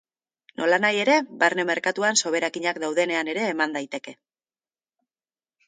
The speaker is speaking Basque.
Nolanahi ere, barne merkatuan soberakinak daudenean ere eman daiteke.